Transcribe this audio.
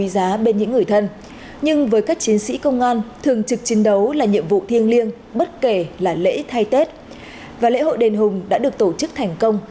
đền hùng đã được tổ chức thành công